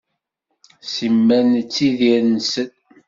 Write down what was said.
Simmal nettidir nsell.